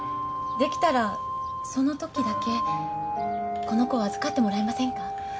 出来たらその時だけこの子を預かってもらえませんか？